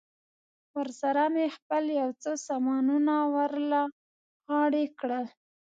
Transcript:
ورسره مې خپل یو څه سامانونه ور له غاړې کړل.